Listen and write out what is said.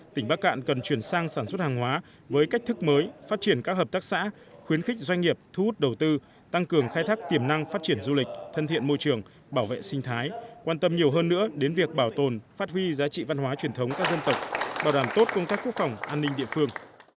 tỉnh bắc cạn cần chuyển sang sản xuất hàng hóa với cách thức mới phát triển các hợp tác xã khuyến khích doanh nghiệp thu hút đầu tư tăng cường khai thác tiềm năng phát triển du lịch thân thiện môi trường bảo vệ sinh thái quan tâm nhiều hơn nữa đến việc bảo tồn phát huy giá trị văn hóa truyền thống các dân tộc bảo đảm tốt công tác quốc phòng an ninh địa phương